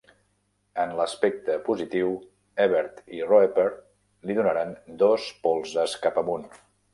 En l'aspecte positiu, Ebert i Roeper li donaren "dos polzes cap amunt".